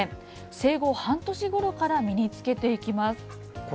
生後半年ごろから身につけていきます。